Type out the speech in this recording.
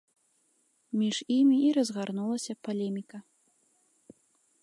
Між імі і разгарнулася палеміка.